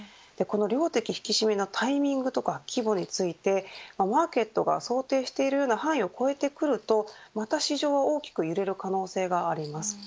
この量的引き締めのタイミングとか規模についてマーケットが想定しているような範囲を超えるとまた市場が大きく揺れる可能性があります。